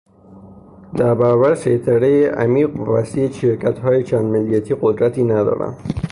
در برابر سیطره ی عمیق و وسیع شرکت های چند ملیتی قدرتی ندارند.